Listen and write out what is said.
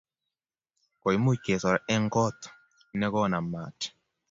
Koimuch kesor eng' kot ne konam maat.